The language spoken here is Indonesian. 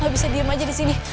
gak bisa diem aja disini